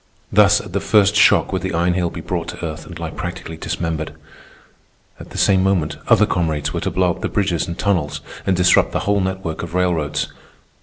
Thus at the first shock would the Iron Heel be brought to earth and lie practically dismembered. At the same moment, other comrades were to blow up the bridges and tunnels and disrupt the whole network of railroads.